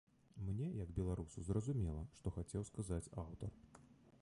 Мне, як беларусу, зразумела, што хацеў сказаць аўтар.